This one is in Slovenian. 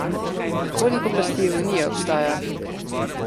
Koliko plasti ironije obstaja?